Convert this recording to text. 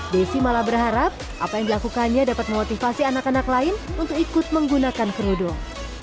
desi malah berharap apa yang dilakukannya dapat memotivasi anak anak lain untuk ikut menggunakan kerudung